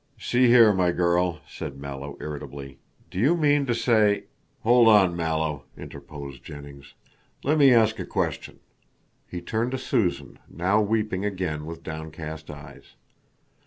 "See here, my girl," said Mallow irritably, "do you mean to say " "Hold on, Mallow," interposed Jennings, "let me ask a question." He turned to Susan, now weeping again with downcast eyes.